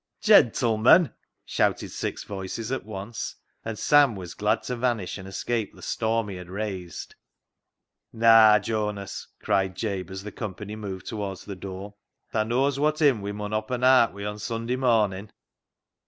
" Gentleman !" shouted six voices at once, and Sam was glad to vanish, and escape the storm he had raised. " Naa, Jonas," cried Jabe, as the company moved towards the door, " tha knows wot hymn we mun oppen aat wi' o' Sunday morn ing?"